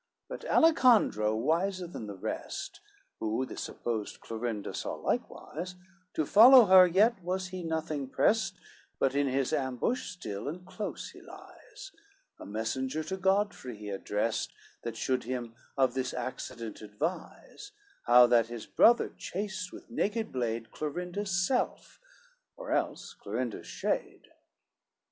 CXII But Alicandro wiser than the rest, Who this supposed Clorinda saw likewise, To follow her yet was he nothing pressed, But in his ambush still and close he lies, A messenger to Godfrey he addressed, That should him of this accident advise, How that his brother chased with naked blade Clorinda's self, or else Clorinda's shade.